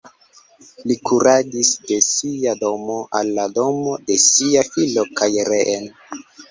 Li kuradis de sia domo al la domo de sia filo kaj reen.